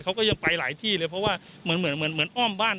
เขาก็ยังไปหลายที่เลยเพราะว่าเหมือนเหมือนอ้อมบ้าน